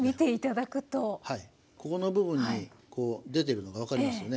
ここの部分に出ているのが分かりますよね。